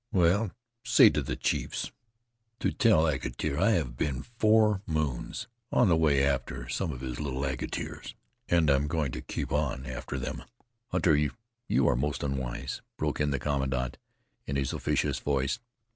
"Well, say to the chiefs to tell Ageter I have been four moons on the way after some of his little Ageters, and I'm going to keep on after them." "Hunter, you are most unwise," broke in the commandant, in his officious voice.